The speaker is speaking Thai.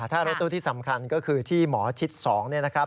ถ้ารถตู้ที่สำคัญก็คือที่หมอชิด๒เนี่ยนะครับ